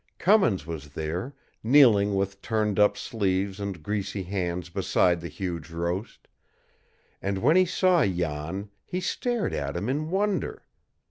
Cummins was there, kneeling with turned up sleeves and greasy hands beside the huge roast, and when he saw Jan he stared at him in wonder.